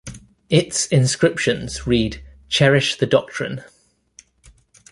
Its inscriptions read Cherish the Doctrine.